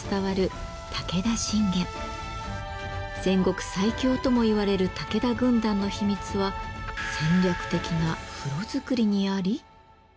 戦国最強ともいわれる武田軍団の秘密は戦略的な風呂づくりにあり？